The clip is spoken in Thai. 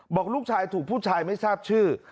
บอกลูกชายถูกผู้ชายไม่ทราบชื่อ